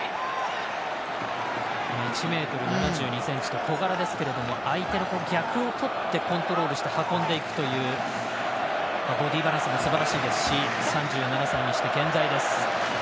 １ｍ７２ｃｍと小柄ですけれども相手の逆を取ってコントロールして運んでいくというボディーバランスもすばらしいですし３７歳にして、顕在です。